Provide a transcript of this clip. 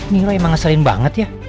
niro emang ngeselin banget ya